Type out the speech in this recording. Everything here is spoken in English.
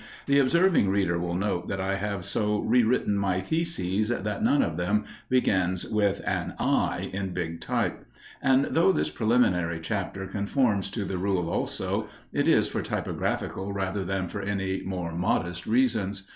The observing reader will note that I have so re written my theses that none of them begins with an "I" in big type, and though this preliminary chapter conforms to the rule also, it is for typographic rather than for any more modest reasons.